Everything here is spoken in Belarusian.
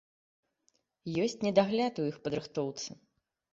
Ёсць недагляд у іх падрыхтоўцы.